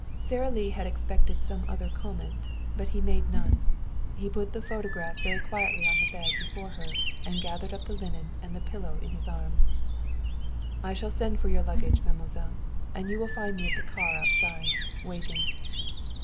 Sara Lee had expected some other comment, but he made none. He put the photograph very quietly on the bed before her, and gathered up the linen and the pillow in his arms. "I shall send for your luggage, mademoiselle. And you will find me at the car outside, waiting."